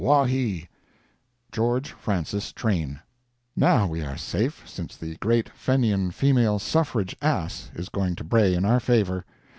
waw he! George Francis Train. Now we are safe, since the great Fenian Female Suffrage Ass is going to bray in our favor.